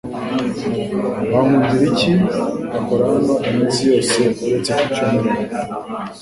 Bankundiriki akora hano iminsi yose uretse ku cyumweru .